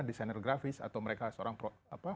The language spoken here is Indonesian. desainer grafis atau mereka seorang